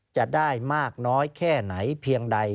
จะได้มากน้อยแค่ไหนเพียงใด